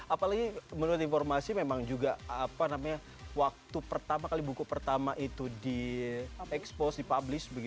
apalagi menurut informasi waktu pertama kali buku pertama itu di expose di publish